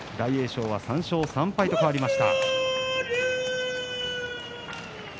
翔は３勝３敗と変わりました。